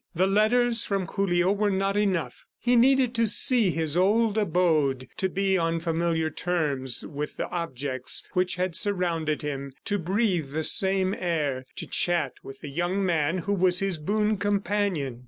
The letters from Julio were not enough; he needed to see his old abode, to be on familiar terms with the objects which had surrounded him, to breathe the same air, to chat with the young man who was his boon companion.